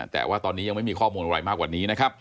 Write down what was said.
แต่ว่าตอนนี้ยังไม่มีข้อมูลอะไรมากกว่านี้นะครับ